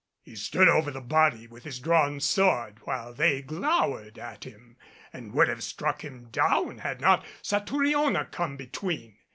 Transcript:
He stood over the body with his drawn sword while they glowered at him, and would have struck him down had not Satouriona come between.